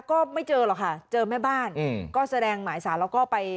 ก็ไม่เจอหรอกค่ะเจอแม่บ้านอืมก็แสดงหมายสารแล้วก็ไป